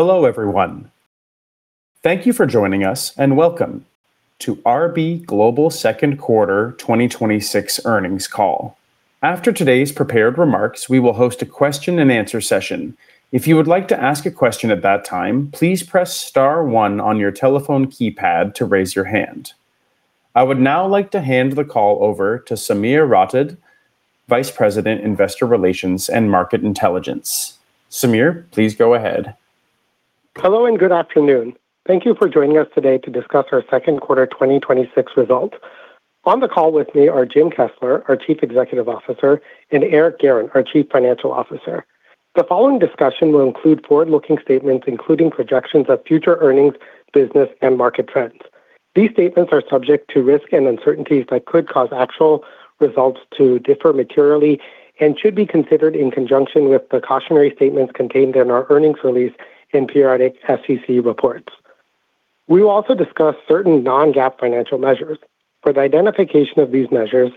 Hello, everyone. Thank you for joining us, and welcome to RB Global second quarter 2026 earnings call. After today's prepared remarks, we will host a question and answer session. If you would like to ask a question at that time, please press star one on your telephone keypad to raise your hand. I would now like to hand the call over to Sameer Rathod, Vice President, Investor Relations and Market Intelligence. Sameer, please go ahead. Hello, and good afternoon. Thank you for joining us today to discuss our second quarter 2026 result. On the call with me are Jim Kessler, our Chief Executive Officer, and Eric Guerin, our Chief Financial Officer. The following discussion will include forward-looking statements, including projections of future earnings, business, and market trends. These statements are subject to risks and uncertainties that could cause actual results to differ materially and should be considered in conjunction with the cautionary statements contained in our earnings release in periodic SEC reports. We will also discuss certain non-GAAP financial measures. For the identification of these measures,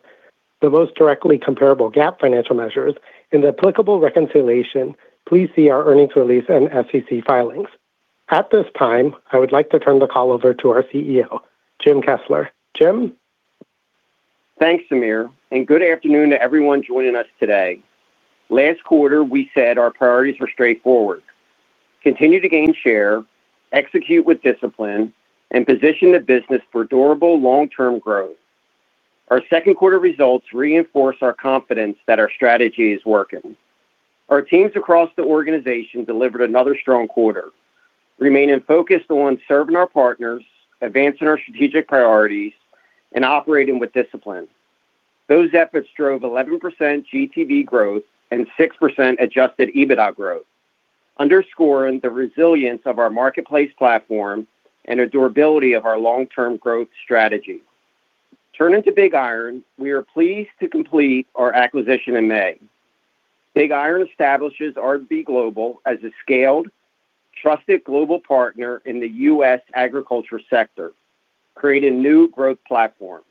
the most directly comparable GAAP financial measures, and the applicable reconciliation, please see our earnings release and SEC filings. At this time, I would like to turn the call over to our CEO, Jim Kessler. Jim? Thanks, Sameer, and good afternoon to everyone joining us today. Last quarter, we said our priorities were straightforward: continue to gain share, execute with discipline, and position the business for durable long-term growth. Our second quarter results reinforce our confidence that our strategy is working. Our teams across the organization delivered another strong quarter, remaining focused on serving our partners, advancing our strategic priorities, and operating with discipline. Those efforts drove 11% GTV growth and 6% adjusted EBITDA growth, underscoring the resilience of our marketplace platform and the durability of our long-term growth strategy. Turning to BigIron, we are pleased to complete our acquisition in May. BigIron establishes RB Global as a scaled, trusted global partner in the U.S. agriculture sector, creating new growth platform.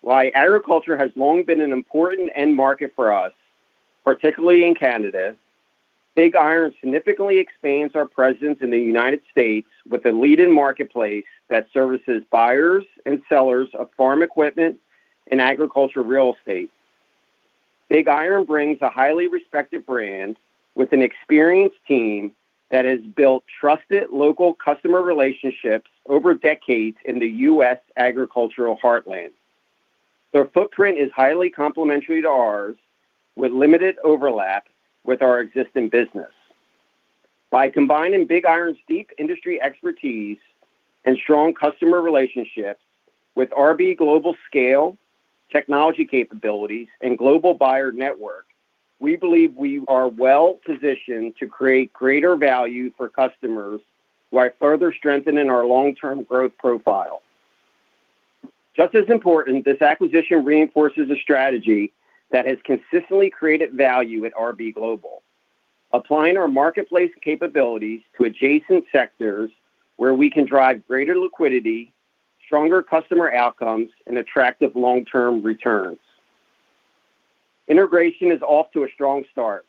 While agriculture has long been an important end market for us, particularly in Canada, BigIron significantly expands our presence in the United States with a leading marketplace that services buyers and sellers of farm equipment and agriculture real estate. BigIron brings a highly respected brand with an experienced team that has built trusted local customer relationships over decades in the U.S. agricultural heartland. Their footprint is highly complementary to ours, with limited overlap with our existing business. By combining BigIron's deep industry expertise and strong customer relationships with RB Global's scale, technology capabilities, and global buyer network, we believe we are well-positioned to create greater value for customers while further strengthening our long-term growth profile. Just as important, this acquisition reinforces a strategy that has consistently created value at RB Global, applying our marketplace capabilities to adjacent sectors where we can drive greater liquidity, stronger customer outcomes, and attractive long-term returns. Integration is off to a strong start,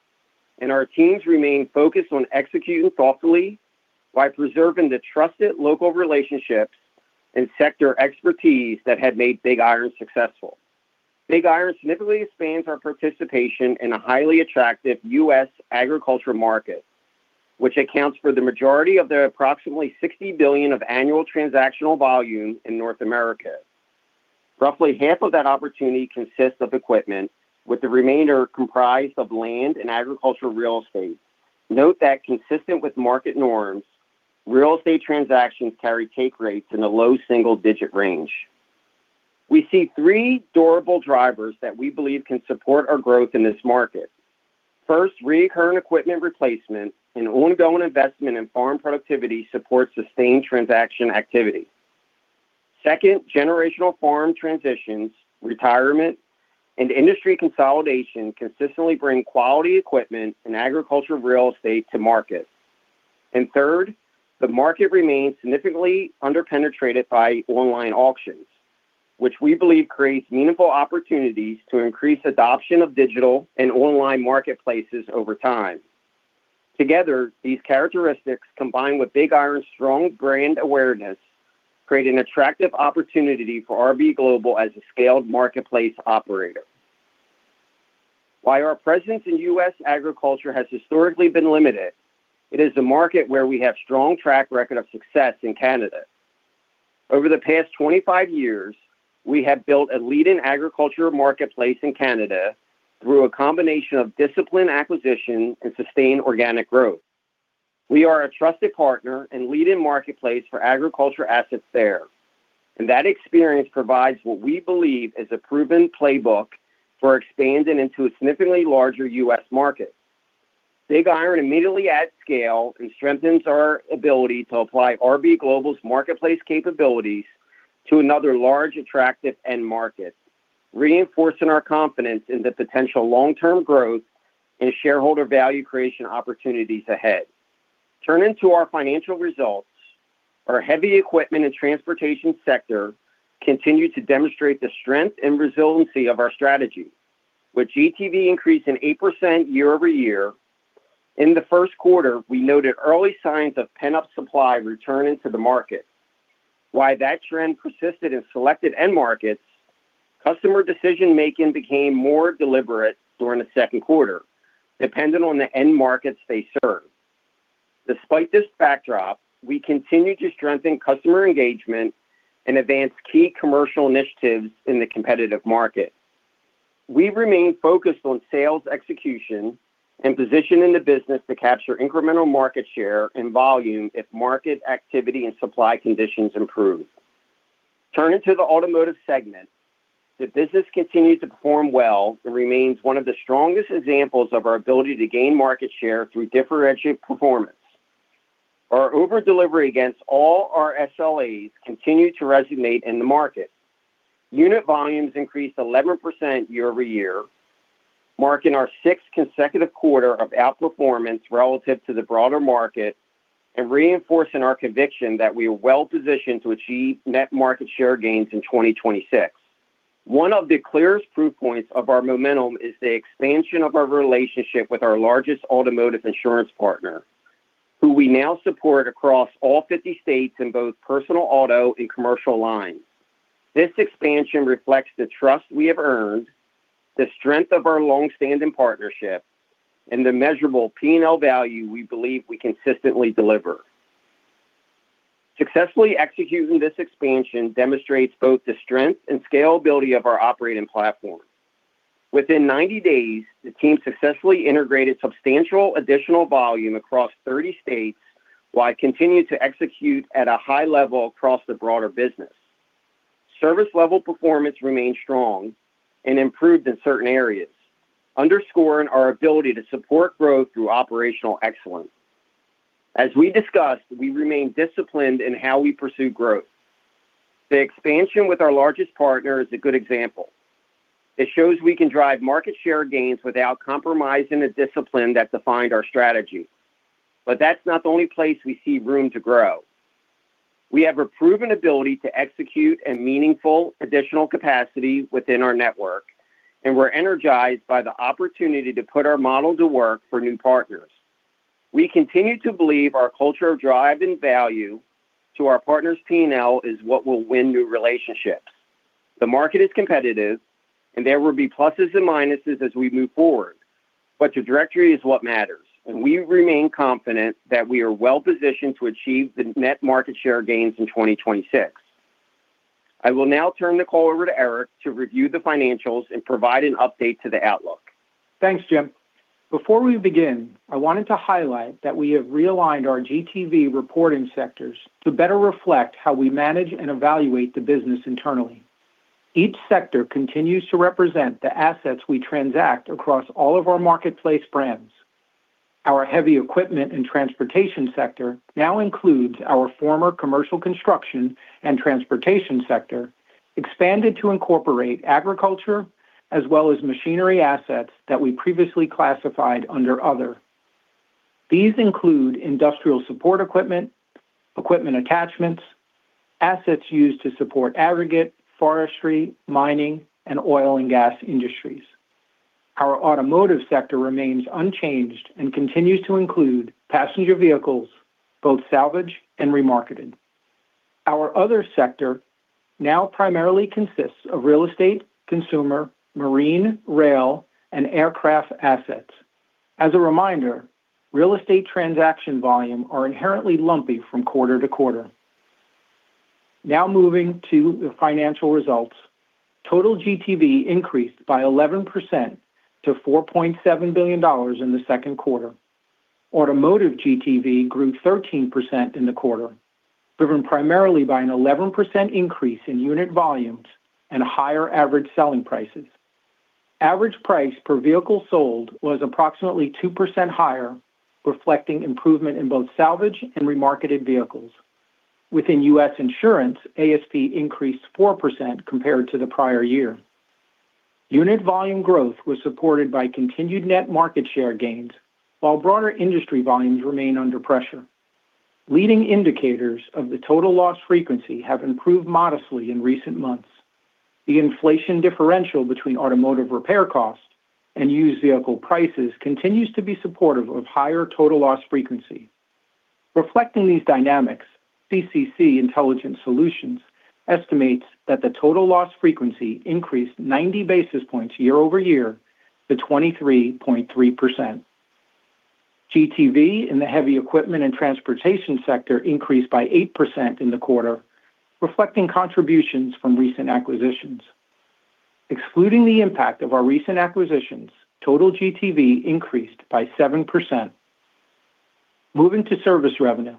and our teams remain focused on executing thoughtfully while preserving the trusted local relationships and sector expertise that had made BigIron successful. BigIron significantly expands our participation in a highly attractive U.S. agriculture market, which accounts for the majority of their approximately $60 billion of annual transactional volume in North America. Roughly half of that opportunity consists of equipment, with the remainder comprised of land and agricultural real estate. Note that consistent with market norms, real estate transactions carry take rates in the low single-digit range. We see three durable drivers that we believe can support our growth in this market. First, reoccurring equipment replacement and ongoing investment in farm productivity support sustained transaction activity. Second, generational farm transitions, retirement, and industry consolidation consistently bring quality equipment and agriculture real estate to market. Third, the market remains significantly underpenetrated by online auctions, which we believe creates meaningful opportunities to increase adoption of digital and online marketplaces over time. Together, these characteristics, combined with BigIron's strong brand awareness, create an attractive opportunity for RB Global as a scaled marketplace operator. While our presence in U.S. agriculture has historically been limited, it is a market where we have strong track record of success in Canada. Over the past 25 years, we have built a leading agriculture marketplace in Canada through a combination of disciplined acquisition and sustained organic growth. We are a trusted partner and leading marketplace for agriculture assets there. That experience provides what we believe is a proven playbook for expanding into a significantly larger U.S. market. BigIron immediately adds scale and strengthens our ability to apply RB Global's marketplace capabilities to another large, attractive end market, reinforcing our confidence in the potential long-term growth and shareholder value creation opportunities ahead. Turning to our financial results. Our heavy equipment and transportation sector continued to demonstrate the strength and resiliency of our strategy, with GTV increasing 8% year-over-year. In the first quarter, we noted early signs of pent-up supply returning to the market. While that trend persisted in selected end markets, customer decision-making became more deliberate during the second quarter, dependent on the end markets they serve. Despite this backdrop, we continued to strengthen customer engagement and advance key commercial initiatives in the competitive market. We remain focused on sales execution and positioning the business to capture incremental market share and volume if market activity and supply conditions improve. Turning to the automotive segment, the business continues to perform well and remains one of the strongest examples of our ability to gain market share through differentiated performance. Our over-delivery against all our SLAs continued to resonate in the market. Unit volumes increased 11% year-over-year, marking our sixth consecutive quarter of outperformance relative to the broader market and reinforcing our conviction that we are well-positioned to achieve net market share gains in 2026. One of the clearest proof points of our momentum is the expansion of our relationship with our largest automotive insurance partner, who we now support across all 50 states in both personal auto and commercial lines. This expansion reflects the trust we have earned, the strength of our longstanding partnership, and the measurable P&L value we believe we consistently deliver. Successfully executing this expansion demonstrates both the strength and scalability of our operating platform. Within 90 days, the team successfully integrated substantial additional volume across 30 states while continuing to execute at a high level across the broader business. Service level performance remained strong and improved in certain areas, underscoring our ability to support growth through operational excellence. As we discussed, we remain disciplined in how we pursue growth. The expansion with our largest partner is a good example. It shows we can drive market share gains without compromising the discipline that defined our strategy. That's not the only place we see room to grow. We have a proven ability to execute a meaningful additional capacity within our network, and we're energized by the opportunity to put our model to work for new partners. We continue to believe our culture of drive and value to our partners' P&L is what will win new relationships. The market is competitive, and there will be pluses and minuses as we move forward, but the directory is what matters, and we remain confident that we are well-positioned to achieve the net market share gains in 2026. I will now turn the call over to Eric to review the financials and provide an update to the outlook. Thanks, Jim. Before we begin, I wanted to highlight that we have realigned our GTV reporting sectors to better reflect how we manage and evaluate the business internally. Each sector continues to represent the assets we transact across all of our marketplace brands. Our Heavy Equipment and Transportation Sector now includes our former Commercial Construction and Transportation Sector, expanded to incorporate agriculture, as well as machinery assets that we previously classified under Other. These include industrial support equipment, equipment attachments, assets used to support aggregate, forestry, mining, and oil and gas industries. Our Automotive Sector remains unchanged and continues to include passenger vehicles, both salvage and remarketed. Our Other sector now primarily consists of real estate, consumer, marine, rail, and aircraft assets. As a reminder, real estate transaction volume are inherently lumpy from quarter to quarter. Now moving to the financial results. Total GTV increased by 11% to $4.7 billion in the second quarter. Automotive GTV grew 13% in the quarter, driven primarily by an 11% increase in unit volumes and higher average selling prices. Average price per vehicle sold was approximately 2% higher, reflecting improvement in both salvage and remarketed vehicles. Within U.S. insurance, ASP increased 4% compared to the prior year. Unit volume growth was supported by continued net market share gains, while broader industry volumes remain under pressure. Leading indicators of the total loss frequency have improved modestly in recent months. The inflation differential between automotive repair costs and used vehicle prices continues to be supportive of higher total loss frequency. Reflecting these dynamics, CCC Intelligent Solutions estimates that the total loss frequency increased 90 basis points year-over-year to 23.3%. GTV in the heavy equipment and transportation sector increased by 8% in the quarter, reflecting contributions from recent acquisitions. Excluding the impact of our recent acquisitions, total GTV increased by 7%. Moving to service revenue,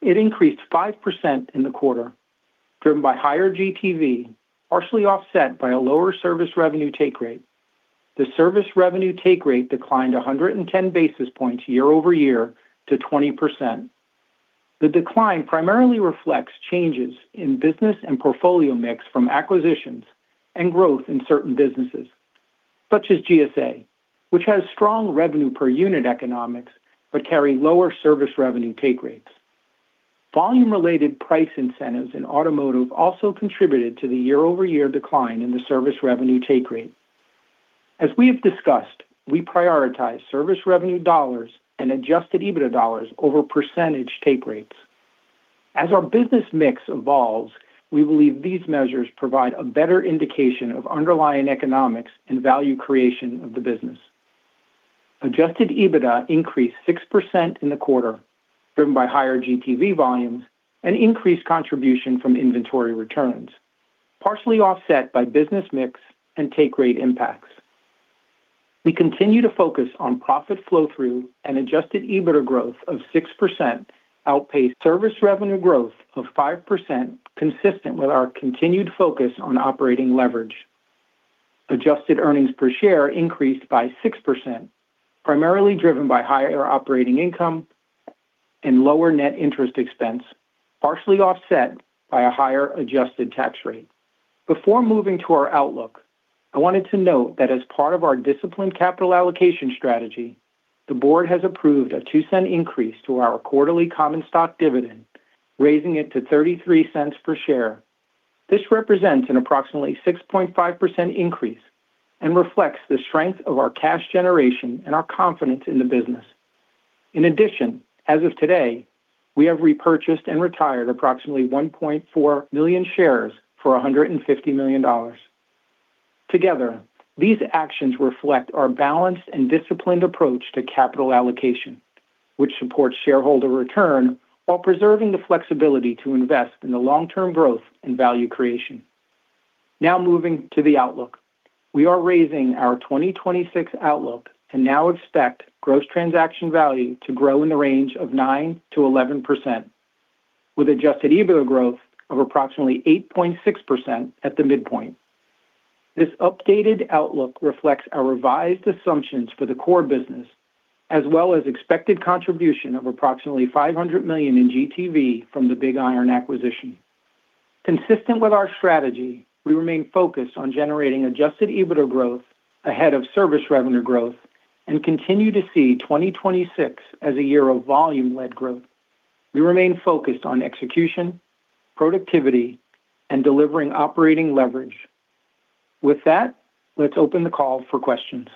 it increased 5% in the quarter, driven by higher GTV, partially offset by a lower service revenue take rate. The service revenue take rate declined 110 basis points year-over-year to 20%. The decline primarily reflects changes in business and portfolio mix from acquisitions and growth in certain businesses, such as GSA, which has strong revenue per unit economics but carry lower service revenue take rates. Volume-related price incentives in automotive also contributed to the year-over-year decline in the service revenue take rate. As we have discussed, we prioritize service revenue dollars and adjusted EBITDA dollars over percentage take rates. As our business mix evolves, we believe these measures provide a better indication of underlying economics and value creation of the business. Adjusted EBITDA increased 6% in the quarter, driven by higher GTV volumes and increased contribution from inventory returns, partially offset by business mix and take rate impacts. We continue to focus on profit flow-through and adjusted EBITDA growth of 6%, outpaced service revenue growth of 5%, consistent with our continued focus on operating leverage. Adjusted earnings per share increased by 6%, primarily driven by higher operating income, and lower net interest expense, partially offset by a higher adjusted tax rate. Before moving to our outlook, I wanted to note that as part of our disciplined capital allocation strategy, the board has approved a 0.02 increase to our quarterly common stock dividend, raising it to 0.33 per share. This represents an approximately 6.5% increase and reflects the strength of our cash generation and our confidence in the business. In addition, as of today, we have repurchased and retired approximately 1.4 million shares for 150 million dollars. Together, these actions reflect our balanced and disciplined approach to capital allocation, which supports shareholder return while preserving the flexibility to invest in the long-term growth and value creation. Moving to the outlook. We are raising our 2026 outlook and now expect gross transaction value to grow in the range of 9%-11%, with adjusted EBITDA growth of approximately 8.6% at the midpoint. This updated outlook reflects our revised assumptions for the core business, as well as expected contribution of approximately 500 million in GTV from the BigIron acquisition. Consistent with our strategy, we remain focused on generating adjusted EBITDA growth ahead of service revenue growth and continue to see 2026 as a year of volume-led growth. We remain focused on execution, productivity, and delivering operating leverage. With that, let's open the call for questions.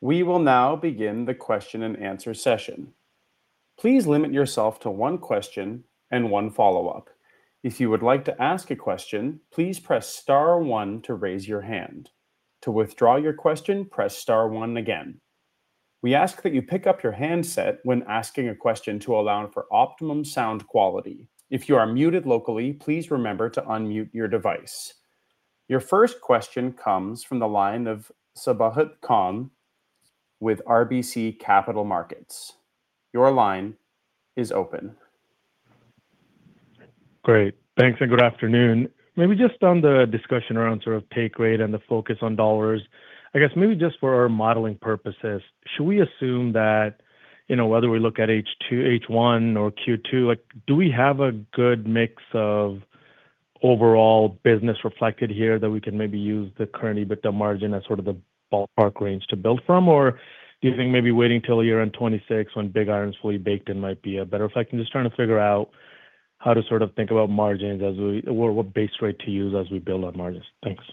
We will now begin the question and answer session. Please limit yourself to one question and one follow-up. If you would like to ask a question, please press star one to raise your hand. To withdraw your question, press star one again. We ask that you pick up your handset when asking a question to allow for optimum sound quality. If you are muted locally, please remember to unmute your device. Your first question comes from the line of Sabahat Khan with RBC Capital Markets. Your line is open. Great. Thanks. Good afternoon. Maybe just on the discussion around sort of take rate and the focus on dollars, I guess maybe just for our modeling purposes, should we assume that, whether we look at H2, H1, or Q2, do we have a good mix of overall business reflected here that we can maybe use the current EBITDA margin as sort of the ballpark range to build from? Do you think maybe waiting till year-end 2026 when BigIron's fully baked in might be a better reflection? Just trying to figure out how to sort of think about margins or what base rate to use as we build out margins. Thanks.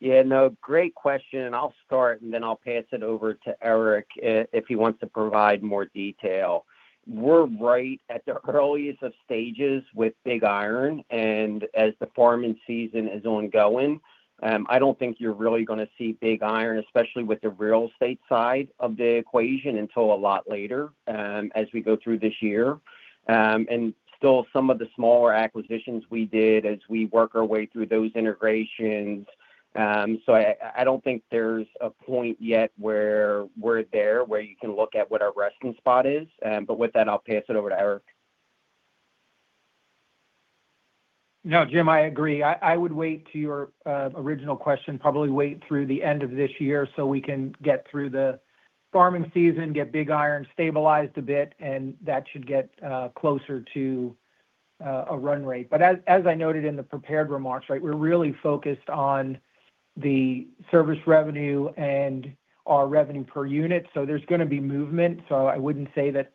Yeah, no, great question. I'll start and then I'll pass it over to Eric if he wants to provide more detail. We're right at the earliest of stages with BigIron. As the farming season is ongoing, I don't think you're really going to see BigIron, especially with the real estate side of the equation, until a lot later as we go through this year. Still some of the smaller acquisitions we did as we work our way through those integrations. I don't think there's a point yet where we're there, where you can look at what our resting spot is. With that, I'll pass it over to Eric. No, Jim, I agree. I would wait, to your original question, probably wait through the end of this year so we can get through the farming season, get BigIron stabilized a bit. That should get closer to a run rate. As I noted in the prepared remarks, we're really focused on the service revenue and our revenue per unit. There's going to be movement, so I wouldn't say that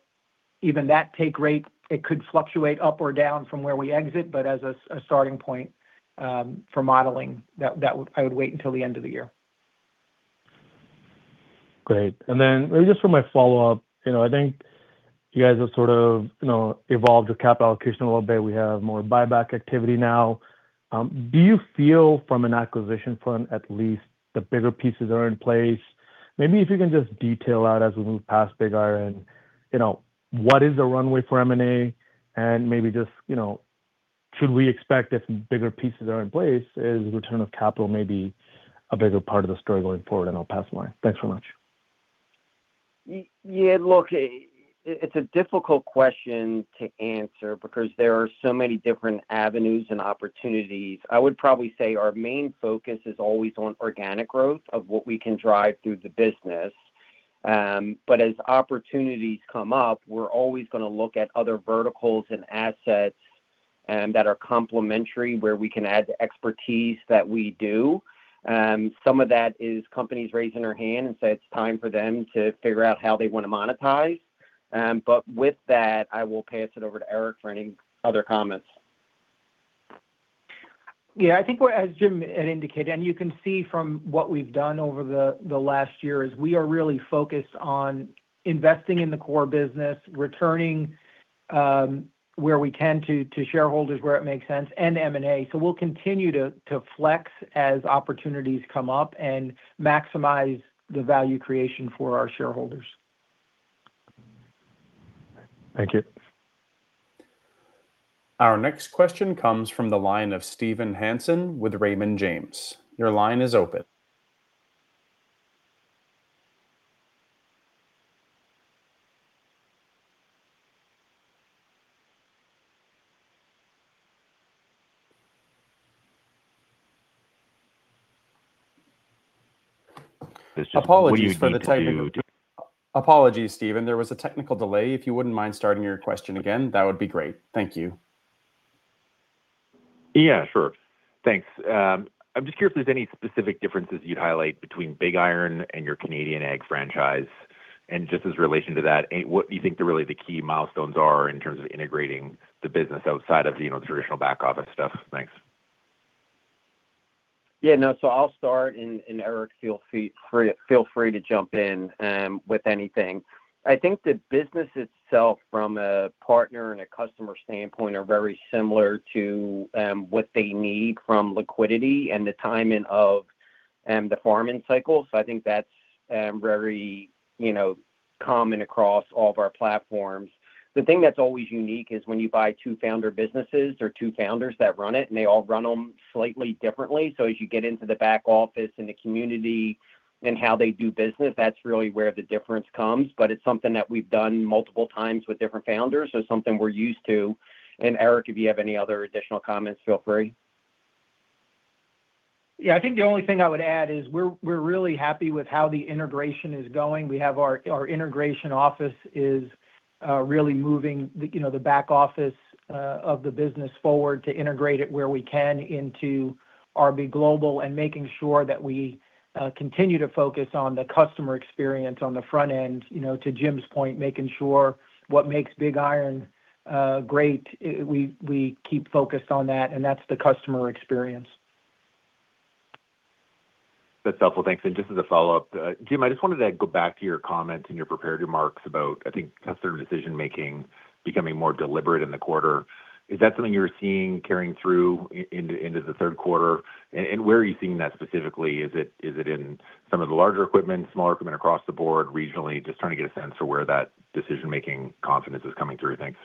even that take rate, it could fluctuate up or down from where we exit. As a starting point for modeling, I would wait until the end of the year. Great. Then maybe just for my follow-up, I think you guys have sort of evolved with capital allocation a little bit. We have more buyback activity now. Do you feel from an acquisition front, at least the bigger pieces are in place? Maybe if you can just detail out as we move past BigIron, what is the runway for M&A and maybe just, should we expect if bigger pieces are in place, is return of capital maybe a bigger part of the story going forward? I'll pass the line. Thanks so much. Yeah. Look, it's a difficult question to answer because there are so many different avenues and opportunities. I would probably say our main focus is always on organic growth of what we can drive through the business. As opportunities come up, we're always going to look at other verticals and assets that are complementary, where we can add the expertise that we do. Some of that is companies raising their hand and say it's time for them to figure out how they want to monetize. With that, I will pass it over to Eric for any other comments. Yeah, I think as Jim indicated, you can see from what we've done over the last year, is we are really focused on investing in the core business, returning where we can to shareholders where it makes sense, M&A. We'll continue to flex as opportunities come up and maximize the value creation for our shareholders. Thank you. Our next question comes from the line of Steven Hansen with Raymond James. Your line is open. Apologies, Steven. There was a technical delay. If you wouldn't mind starting your question again, that would be great. Thank you. Yeah, sure. Thanks. I'm just curious if there's any specific differences you'd highlight between BigIron and your Canadian ag franchise. Just as relation to that, what do you think really the key milestones are in terms of integrating the business outside of the traditional back office stuff? Thanks. Yeah. I'll start, and Eric, feel free to jump in with anything. I think the business itself from a partner and a customer standpoint are very similar to what they need from liquidity and the timing of the farming cycle. I think that's very common across all of our platforms. The thing that's always unique is when you buy two founder businesses, or two founders that run it, and they all run them slightly differently. As you get into the back office and the community and how they do business, that's really where the difference comes. It's something that we've done multiple times with different founders, so something we're used to. Eric, if you have any other additional comments, feel free. Yeah. I think the only thing I would add is we're really happy with how the integration is going. Our integration office is really moving the back office of the business forward to integrate it where we can into RB Global and making sure that we continue to focus on the customer experience on the front end. To Jim's point, making sure what makes BigIron great, we keep focused on that, and that's the customer experience. That's helpful. Thanks. Just as a follow-up, Jim, I just wanted to go back to your comments in your prepared remarks about, I think, customer decision-making becoming more deliberate in the quarter. Is that something you're seeing carrying through into the third quarter? Where are you seeing that specifically? Is it in some of the larger equipment, smaller equipment, across the board, regionally? Just trying to get a sense for where that decision-making confidence is coming through. Thanks.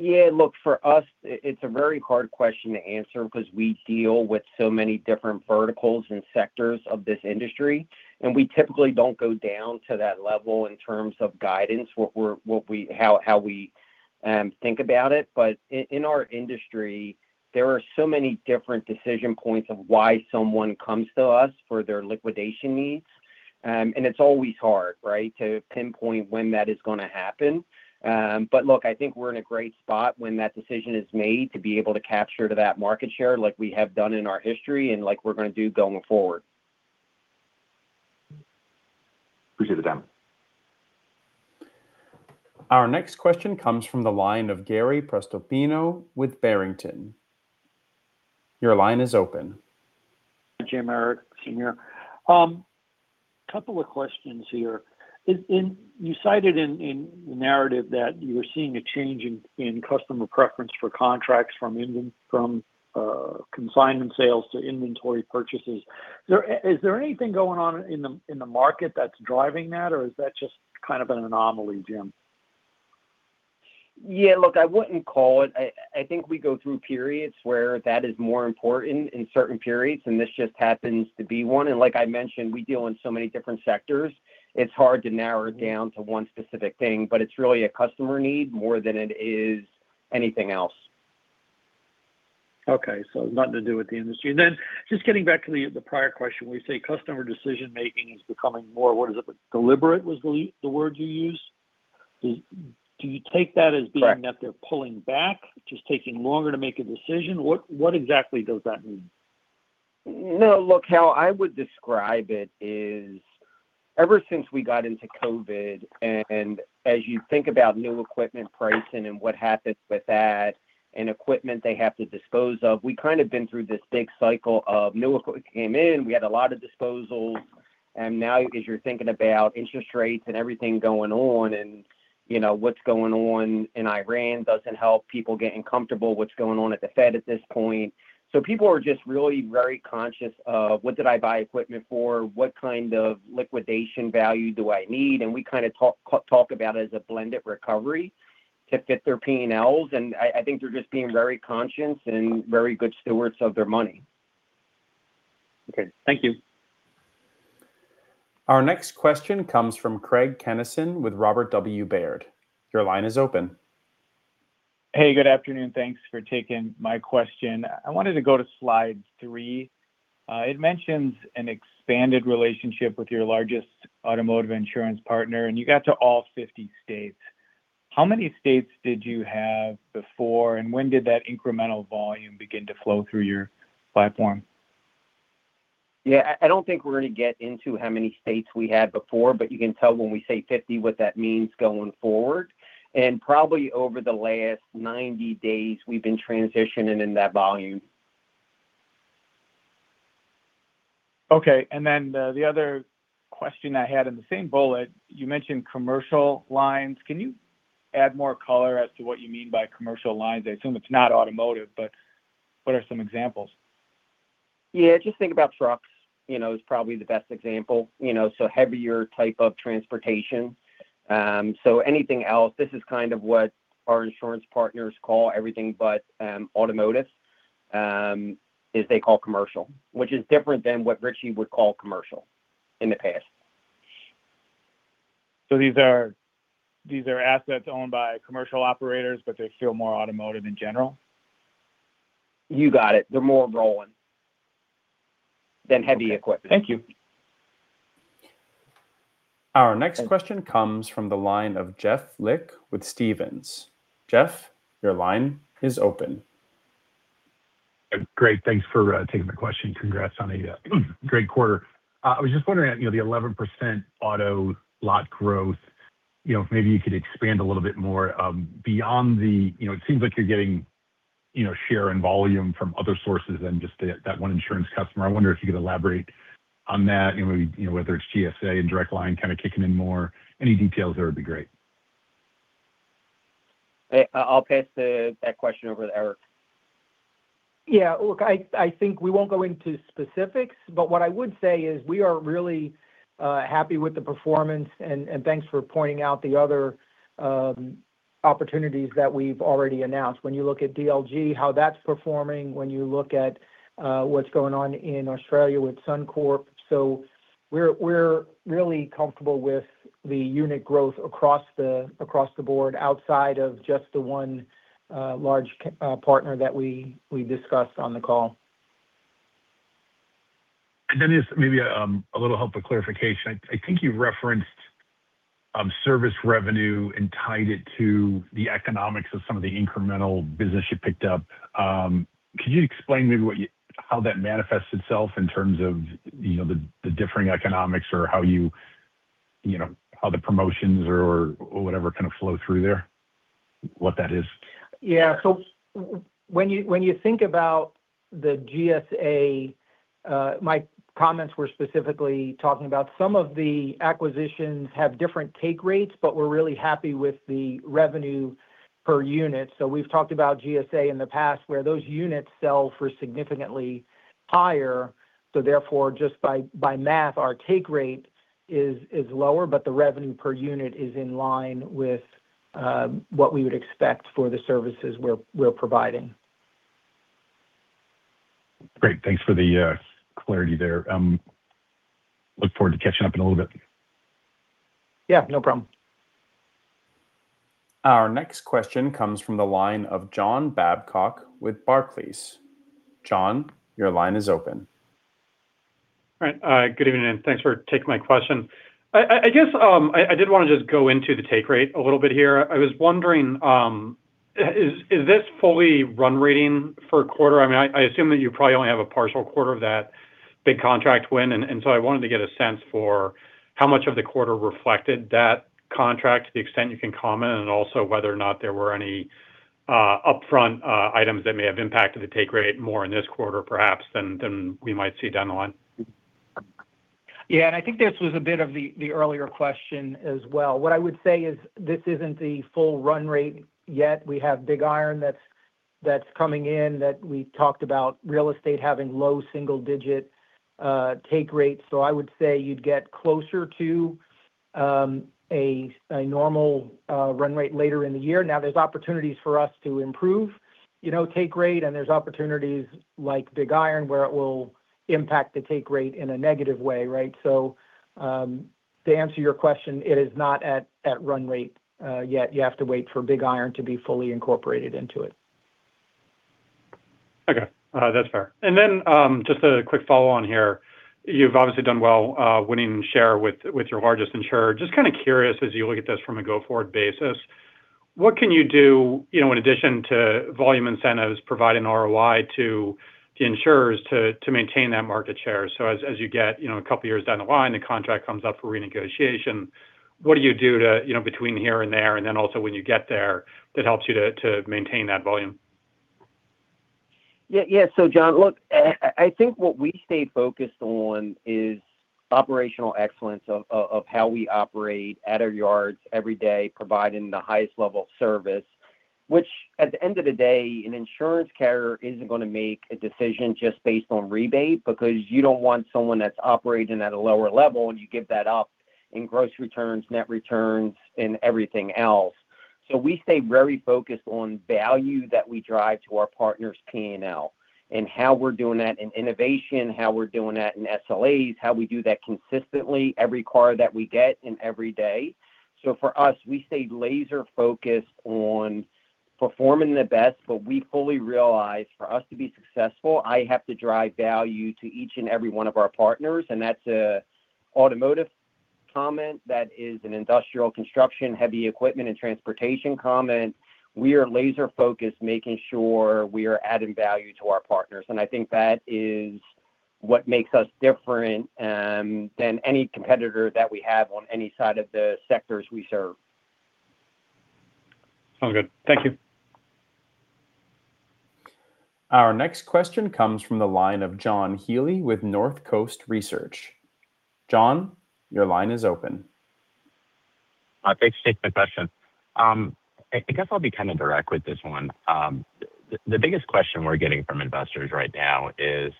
Yeah. Look, for us, it's a very hard question to answer because we deal with so many different verticals and sectors of this industry. We typically don't go down to that level in terms of guidance, how we think about it. In our industry, there are so many different decision points of why someone comes to us for their liquidation needs. It's always hard, right, to pinpoint when that is going to happen. Look, I think we're in a great spot when that decision is made to be able to capture to that market share like we have done in our history and like we're going to do going forward. Appreciate the time. Our next question comes from the line of Gary Prestopino with Barrington. Your line is open. Jim, Eric, Sameer. Couple of questions here. You cited in the narrative that you were seeing a change in customer preference for contracts from consignment sales to inventory purchases. Is there anything going on in the market that's driving that, or is that just kind of an anomaly, Jim? Look, I think we go through periods where that is more important in certain periods, and this just happens to be one. Like I mentioned, we deal in so many different sectors. It's hard to narrow it down to one specific thing. It's really a customer need more than it is anything else. Okay. Nothing to do with the industry. Just getting back to the prior question. When you say customer decision-making is becoming more, what is it? Deliberate was the word you used. Do you take that as being. Correct. That they're pulling back, just taking longer to make a decision? What exactly does that mean? No. Look, how I would describe it is, ever since we got into COVID, and as you think about new equipment pricing and what happens with that, and equipment they have to dispose of. We kind of been through this big cycle of new equipment came in. We had a lot of disposals. Now as you're thinking about interest rates and everything going on, and what's going on in Iran doesn't help people getting comfortable. What's going on at the Fed at this point. People are just really very conscious of what did I buy equipment for? What kind of liquidation value do I need? We kind of talk about it as a blended recovery to fit their P&Ls, and I think they're just being very conscious and very good stewards of their money. Okay. Thank you. Our next question comes from Craig Kennison with Robert W. Baird. Your line is open. Hey, good afternoon. Thanks for taking my question. I wanted to go to slide three. It mentions an expanded relationship with your largest automotive insurance partner, and you got to all 50 states. How many states did you have before, and when did that incremental volume begin to flow through your platform? Yeah, I don't think we're going to get into how many states we had before, but you can tell when we say 50 what that means going forward. Probably over the last 90 days, we've been transitioning in that volume. Okay. The other question I had in the same bullet, you mentioned commercial lines. Can you add more color as to what you mean by commercial lines? I assume it's not automotive, but what are some examples? Yeah. Just think about trucks, is probably the best example. Heavier type of transportation. Anything else, this is kind of what our insurance partners call everything but automotive, is they call commercial, which is different than what Ritchie would call commercial in the past. These are assets owned by commercial operators, but they're still more automotive in general? You got it. They're more rolling than heavy equipment. Okay. Thank you. Our next question comes from the line of Jeff Lick with Stephens. Jeff, your line is open. Great. Thanks for taking the question. Congrats on the great quarter. I was just wondering at the 11% auto lot growth, if maybe you could expand a little bit more. It seems like you're getting share and volume from other sources than just that one insurance customer. I wonder if you could elaborate on that, whether it's GSA and Direct Line kicking in more. Any details there would be great. Hey, I'll pass that question over to Eric. Yeah. Look, I think we won't go into specifics, but what I would say is we are really happy with the performance, and thanks for pointing out the other opportunities that we've already announced. When you look at DLG, how that's performing, when you look at what's going on in Australia with Suncorp. We're really comfortable with the unit growth across the board outside of just the one large partner that we discussed on the call. Just maybe a little help or clarification. I think you referenced service revenue and tied it to the economics of some of the incremental business you picked up. Could you explain maybe how that manifests itself in terms of the differing economics or how the promotions or whatever flow through there, what that is? When you think about the GSA, my comments were specifically talking about some of the acquisitions have different take rates, but we're really happy with the revenue per unit. We've talked about GSA in the past where those units sell for significantly higher. Therefore, just by math, our take rate is lower, but the revenue per unit is in line with what we would expect for the services we're providing. Great. Thanks for the clarity there. Look forward to catching up in a little bit. Yeah, no problem. Our next question comes from the line of John Babcock with Barclays. John, your line is open. All right. Good evening, and thanks for taking my question. I guess, I did want to just go into the take rate a little bit here. I was wondering, is this fully run rating for a quarter? I assume that you probably only have a partial quarter of that big contract win. I wanted to get a sense for how much of the quarter reflected that contract to the extent you can comment, and also whether or not there were any upfront items that may have impacted the take rate more in this quarter, perhaps, than we might see down the line. Yeah, I think this was a bit of the earlier question as well. What I would say is this isn't the full run rate yet. We have BigIron that's coming in, that we talked about real estate having low single-digit take rates. I would say you'd get closer to a normal run rate later in the year. Now, there's opportunities for us to improve take rate, and there's opportunities like BigIron where it will impact the take rate in a negative way, right? To answer your question, it is not at run rate yet. You have to wait for BigIron to be fully incorporated into it. Okay. That's fair. Just a quick follow-on here. You've obviously done well winning share with your largest insurer. Just curious as you look at this from a go-forward basis, what can you do in addition to volume incentives, providing ROI to the insurers to maintain that market share? As you get a couple of years down the line, the contract comes up for renegotiation. What do you do between here and there, also when you get there that helps you to maintain that volume? Yeah. John, look, I think what we stay focused on is operational excellence of how we operate at our yards every day, providing the highest level of service, which at the end of the day, an insurance carrier isn't going to make a decision just based on rebate because you don't want someone that's operating at a lower level and you give that up in gross returns, net returns, and everything else. We stay very focused on value that we drive to our partners' P&L and how we're doing that in innovation, how we're doing that in SLAs, how we do that consistently every car that we get and every day. For us, we stayed laser focused on performing the best, we fully realize for us to be successful, I have to drive value to each and every one of our partners, and that's an automotive comment, that is an industrial construction, heavy equipment, and transportation comment. We are laser focused, making sure we are adding value to our partners, I think that is what makes us different than any competitor that we have on any side of the sectors we serve. Sounds good. Thank you. Our next question comes from the line of John Healy with Northcoast Research. John, your line is open. Thanks. Thanks for the question. I guess I'll be kind of direct with this one. The biggest question we're getting from investors right now is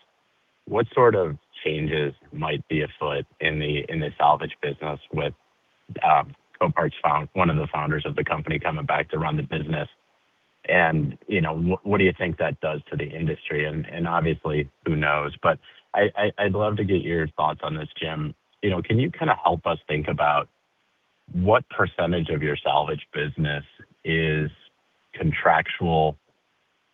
what sort of changes might be afoot in the salvage business with one of the founders of the company coming back to run the business, what do you think that does to the industry? Obviously, who knows? I'd love to get your thoughts on this, Jim. Can you kind of help us think about what percentage of your salvage business is contractual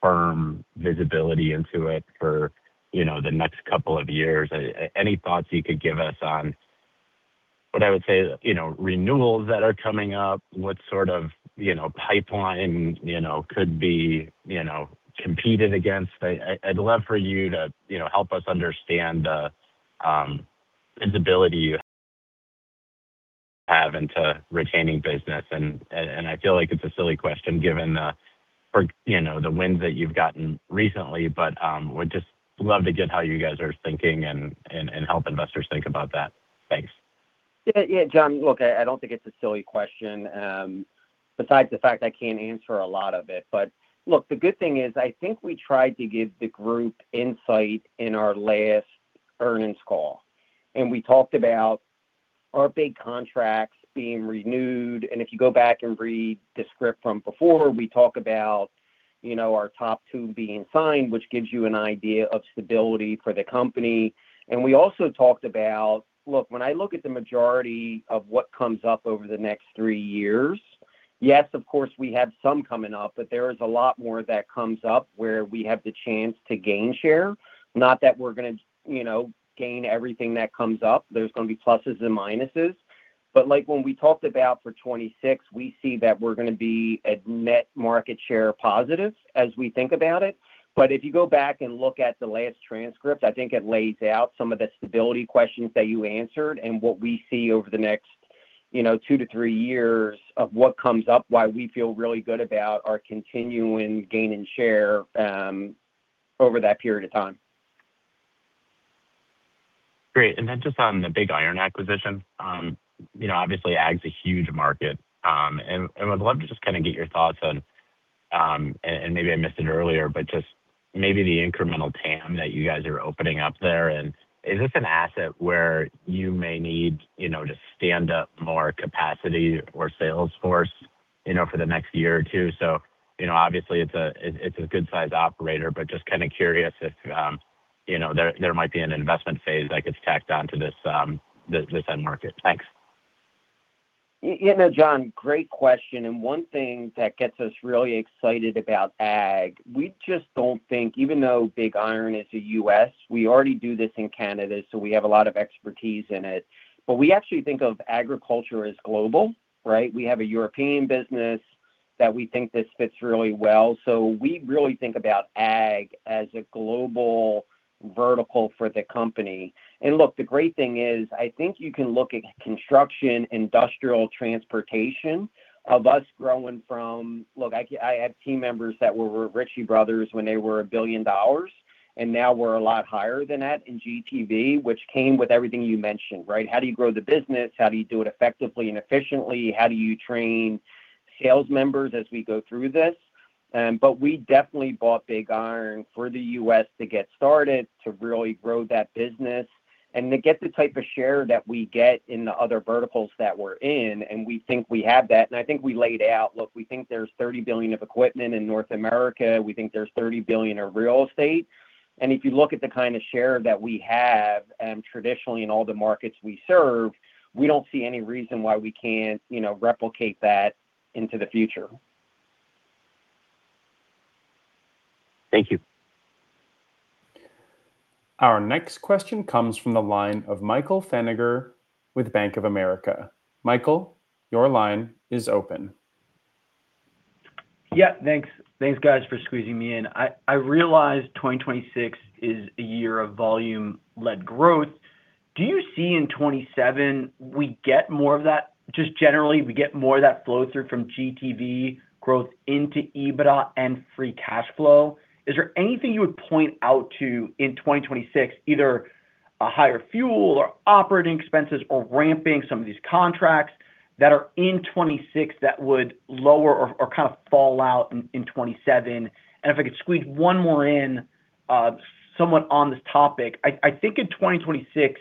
firm visibility into it for the next couple of years? Any thoughts you could give us on what I would say renewals that are coming up, what sort of pipeline could be competed against? I'd love for you to help us understand the visibility you have into retaining business. I feel like it's a silly question given the wins that you've gotten recently. Would just love to get how you guys are thinking and help investors think about that. Thanks. John, look, I don't think it's a silly question, besides the fact I can't answer a lot of it. Look, the good thing is I think we tried to give the group insight in our last earnings call. We talked about our big contracts being renewed. If you go back and read the script from before, we talk about our top two being signed, which gives you an idea of stability for the company. We also talked about. Look, when I look at the majority of what comes up over the next three years, yes, of course, we have some coming up. There is a lot more that comes up where we have the chance to gain share. Not that we're going to gain everything that comes up. There's going to be pluses and minuses. When we talked about for 2026, we see that we're going to be a net market share positive as we think about it. If you go back and look at the last transcript, I think it lays out some of the stability questions that you answered and what we see over the next two to three years of what comes up, why we feel really good about our continuing gain and share over that period of time. Great. Just on the BigIron acquisition. Obviously, ag's a huge market, and would love to just get your thoughts on, and maybe I missed it earlier, but just maybe the incremental TAM that you guys are opening up there. Is this an asset where you may need to stand up more capacity or sales force for the next year or two? Obviously, it's a good-sized operator, but just kind of curious if there might be an investment phase that gets tacked onto this end market. Thanks. You know, John, great question. One thing that gets us really excited about ag, we just don't think even though BigIron is a U.S., we already do this in Canada, we have a lot of expertise in it. We actually think of agriculture as global, right? We have a European business that we think this fits really well. We really think about ag as a global vertical for the company. Look, the great thing is I think you can look at construction, industrial, transportation of us growing from. Look, I have team members that were with Ritchie Bros. when they were 1 billion dollars, and now we're a lot higher than that in GTV, which came with everything you mentioned, right? How do you grow the business? How do you do it effectively and efficiently? How do you train sales members as we go through this? We definitely bought BigIron for the U.S. to get started, to really grow that business, and to get the type of share that we get in the other verticals that we're in, and we think we have that. I think we laid out, look, we think there's 30 billion of equipment in North America. We think there's 30 billion of real estate. If you look at the kind of share that we have, traditionally in all the markets we serve, we don't see any reason why we can't replicate that into the future. Thank you. Our next question comes from the line of Michael Feniger with Bank of America. Michael, your line is open. Yeah. Thanks. Thanks, guys, for squeezing me in. I realize 2026 is a year of volume-led growth. Do you see in 2027 we get more of that? Just generally, we get more of that flow-through from GTV growth into EBITDA and free cash flow? Is there anything you would point out to in 2026, either a higher fuel or operating expenses or ramping some of these contracts that are in 2026 that would lower or kind of fall out in 2027? If I could squeeze one more in, somewhat on this topic. I think in 2026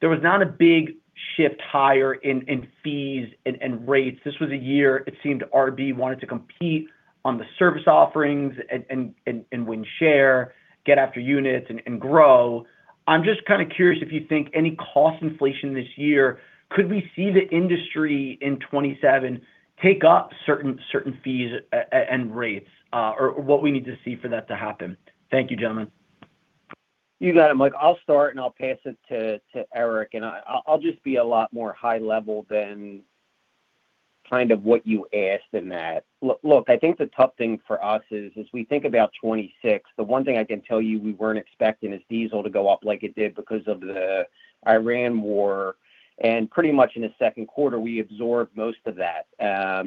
There was not a big shift higher in fees and rates. This was a year it seemed RB wanted to compete on the service offerings and win share, get after units, and grow. I'm just kind of curious if you think any cost inflation this year, could we see the industry in 2027 take up certain fees and rates, or what we need to see for that to happen? Thank you, gentlemen. You got it, Mike. I'll start and I'll pass it to Eric. I'll just be a lot more high level than what you asked in that. Look, I think the tough thing for us is as we think about 2026, the one thing I can tell you we weren't expecting is diesel to go up like it did because of the Iran war, and pretty much in the second quarter, we absorbed most of that.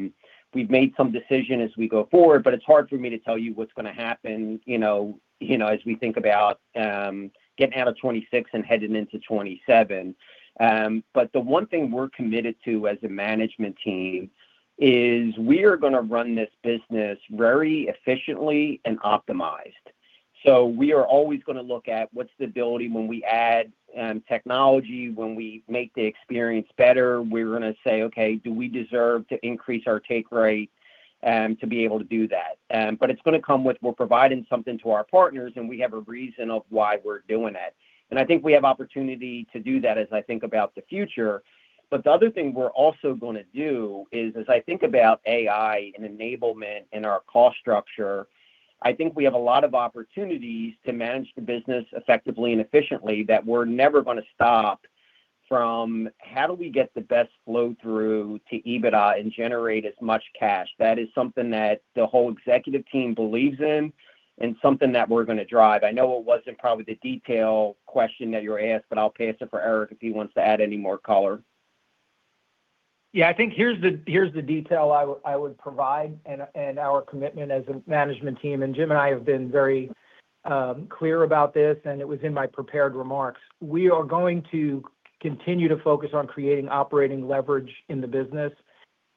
We've made some decision as we go forward, but it's hard for me to tell you what's going to happen. As we think about getting out of 2026 and heading into 2027, but the one thing we're committed to as a management team is we are going to run this business very efficiently and optimized. We are always going to look at what's the ability when we add technology, when we make the experience better. We're going to say, okay, do we deserve to increase our take rate to be able to do that. It's going to come with, we're providing something to our partners, and we have a reason of why we're doing it. I think we have opportunity to do that as I think about the future. The other thing we're also going to do is as I think about AI and enablement in our cost structure, I think we have a lot of opportunities to manage the business effectively and efficiently that we're never going to stop from how do we get the best flow-through to EBITDA and generate as much cash. That is something that the whole executive team believes in and something that we're going to drive. I know it wasn't probably the detail question that you asked, but I'll pass it for Eric if he wants to add any more color. Yeah, I think here's the detail I would provide and our commitment as a management team. Jim and I have been very clear about this. It was in my prepared remarks. We are going to continue to focus on creating operating leverage in the business.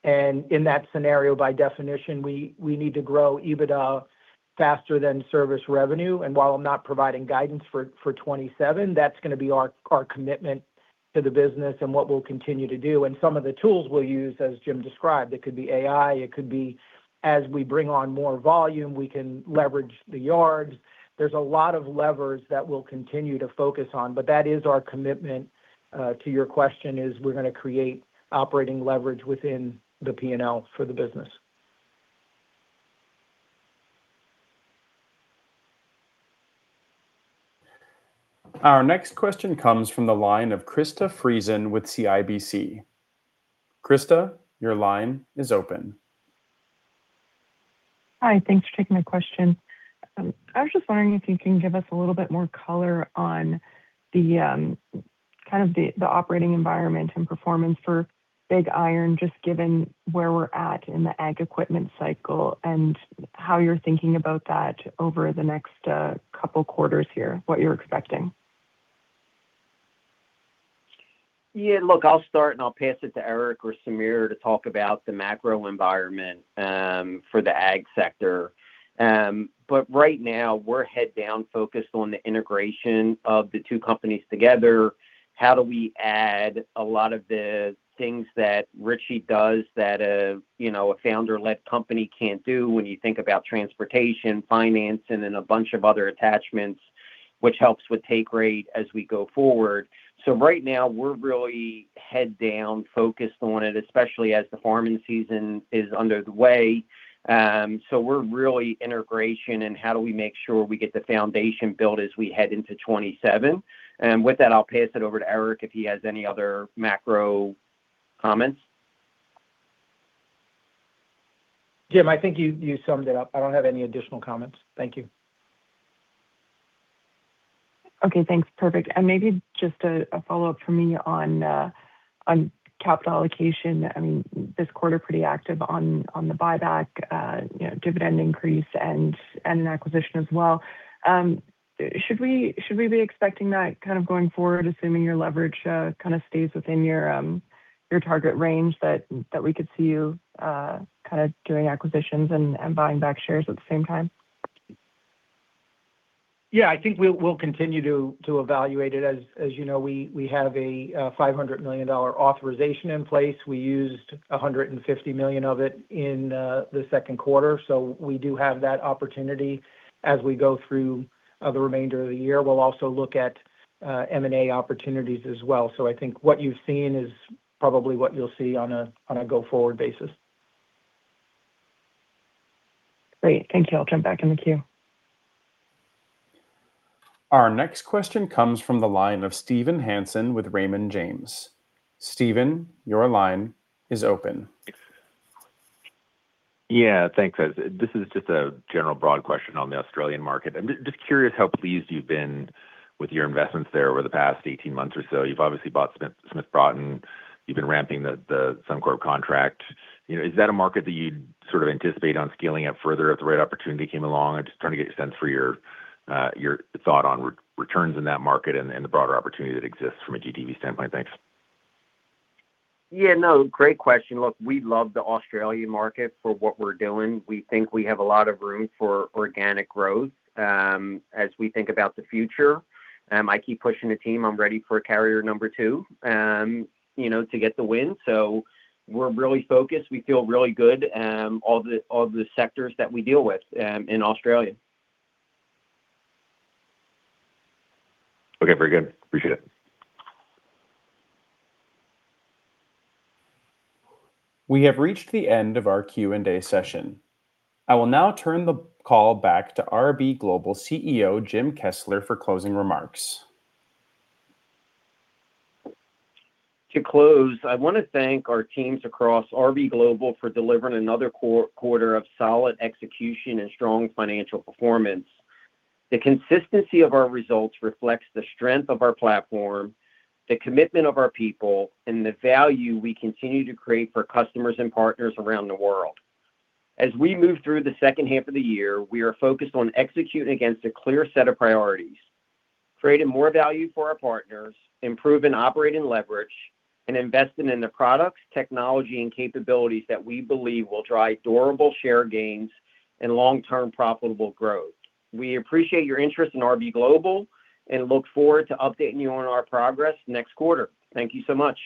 In that scenario, by definition, we need to grow EBITDA faster than service revenue. While I'm not providing guidance for 2027, that's going to be our commitment to the business and what we'll continue to do. Some of the tools we'll use, as Jim described, it could be AI, it could be as we bring on more volume, we can leverage the yards. There's a lot of levers that we'll continue to focus on, but that is our commitment to your question is we're going to create operating leverage within the P&L for the business. Our next question comes from the line of Krista Friesen with CIBC. Krista, your line is open. Hi, thanks for taking my question. I was just wondering if you can give us a little bit more color on the kind of the operating environment and performance for BigIron, just given where we're at in the ag equipment cycle and how you're thinking about that over the next couple quarters here, what you're expecting. I'll start and I'll pass it to Eric or Sameer, to talk about the macro environment for the ag sector. Right now we're head down focused on the integration of the two companies together. How do we add a lot of the things that Ritchie does that a founder-led company can't do when you think about transportation, financing, and a bunch of other attachments, which helps with take rate as we go forward. Right now we're really head down focused on it, especially as the farming season is underway. We're really integration and how do we make sure we get the foundation built as we head into 2027. With that, I'll pass it over to Eric if he has any other macro comments. Jim, I think you summed it up. I don't have any additional comments. Thank you. Okay, thanks. Perfect. Maybe just a follow-up from me on capital allocation. This quarter pretty active on the buyback, dividend increase, and an acquisition as well. Should we be expecting that kind of going forward, assuming your leverage kind of stays within your target range that we could see you kind of doing acquisitions and buying back shares at the same time? I think we'll continue to evaluate it. As you know, we have a 500 million dollar authorization in place. We used 150 million of it in the second quarter. We do have that opportunity as we go through the remainder of the year. We'll also look at M&A opportunities as well. I think what you've seen is probably what you'll see on a go-forward basis. Great. Thank you. I'll jump back in the queue. Our next question comes from the line of Steven Hansen with Raymond James. Steven, your line is open. Yeah, thanks. This is just a general broad question on the Australian market. I'm just curious how pleased you've been with your investments there over the past 18 months or so. You've obviously bought Smith Broughton. You've been ramping the Suncorp contract. Is that a market that you'd sort of anticipate on scaling up further if the right opportunity came along? I'm just trying to get a sense for your thought on returns in that market and the broader opportunity that exists from a GTV standpoint. Thanks. Yeah, no. Great question. Look, we love the Australian market for what we're doing. We think we have a lot of room for organic growth. As we think about the future, I keep pushing the team, I'm ready for carrier number two to get the win. We're really focused. We feel really good. All the sectors that we deal with in Australia. Okay. Very good. Appreciate it. We have reached the end of our Q&A session. I will now turn the call back to RB Global CEO, Jim Kessler, for closing remarks. To close, I want to thank our teams across RB Global for delivering another quarter of solid execution and strong financial performance. The consistency of our results reflects the strength of our platform, the commitment of our people, and the value we continue to create for customers and partners around the world. As we move through the second half of the year, we are focused on executing against a clear set of priorities, creating more value for our partners, improving operating leverage, and investing in the products, technology, and capabilities that we believe will drive durable share gains and long-term profitable growth. We appreciate your interest in RB Global and look forward to updating you on our progress next quarter. Thank you so much.